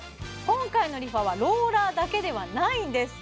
今回のＲｅＦａはローラーだけではないんです